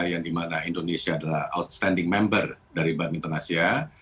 yang di mana indonesia adalah member luar biasa dari mbak ming ton asia